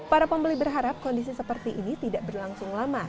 para pembeli berharap kondisi seperti ini tidak berlangsung lama